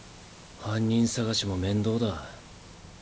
犯人探しも面倒だ。